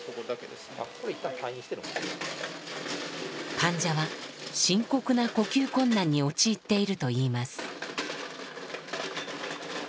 患者は深刻な呼吸困難に陥っているといいます。